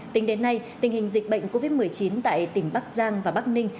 tính đến nay tình hình dịch bệnh covid một mươi chín tại tỉnh bắc giang và bắc ninh